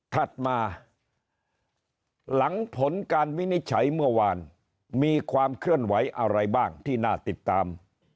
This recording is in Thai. ถัดมาหลังผลการวินิจฉัยเมื่อวานมีความเคลื่อนไหวอะไรบ้างที่น่าติดตาม